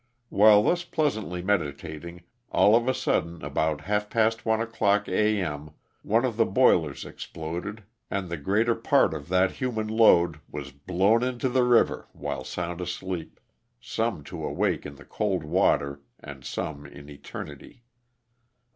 While thus pleasantly meditating, all of a sudden, about half past one o'clock A M. one of the boilers exploded and the greater part of 294 LOSS OF THE SULTANA. that human load was blown into the river, while sound asleep — some to awake in the cold water and some in eternity.